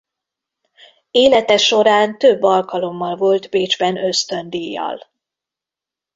Élete során több alkalommal volt Bécsben ösztöndíjjal.